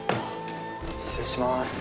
失礼します。